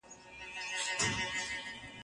زده کړه د روښانه راتلونکي کلي ده.